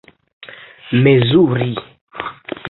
mezuri